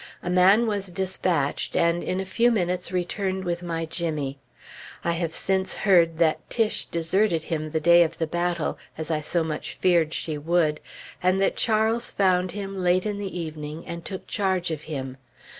A man was dispatched, and in a few minutes returned with my Jimmy. I have since heard that Tiche deserted him the day of the battle, as I so much feared she would; and that Charles found him late in the evening and took charge of him.